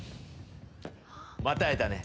また会えたね。